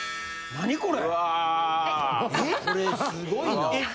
何これ？